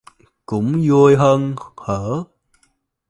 Cũng vui hớn hở